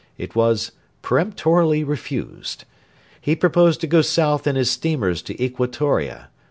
It was 'peremptorily refused.' He proposed to go south in his steamers to Equatoria.